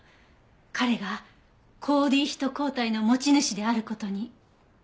彼が抗Ｄヒト抗体の持ち主である事に。